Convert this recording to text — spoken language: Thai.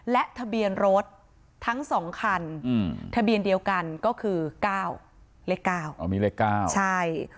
และทะเบียนรถทั้งสองคันทะเบียนเดียวกันก็คือ๙เล็ก๙ใช่